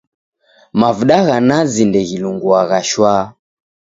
Mavuda gha nazi ndeghilunguagha shwaa.